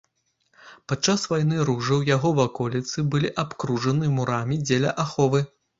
Падчас вайны ружаў яго ваколіцы былі абкружаны мурамі дзеля аховы.